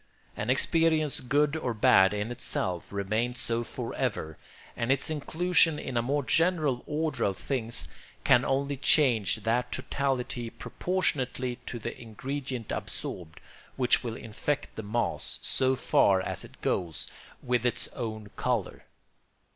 An experience good or bad in itself remains so for ever, and its inclusion in a more general order of things can only change that totality proportionately to the ingredient absorbed, which will infect the mass, so far as it goes, with its own colour.